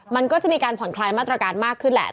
มันก็จะมีการผ่อนคลายมาตรการมากขึ้นแหละ